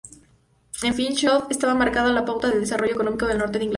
En fin, Sheffield estaba marcando la pauta del desarrollo económico del norte de Inglaterra.